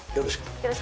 よろしく。